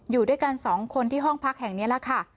อยู่ด้วยกันสองคนที่ห้องพักแห่งนี้แหละค่ะ